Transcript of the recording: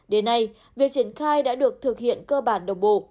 đến nay việc triển khai đã được thực hiện cơ bản đồng bộ